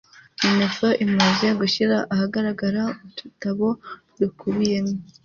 mininfor imaze gushyira ahagaragara udutabo dukubiyemo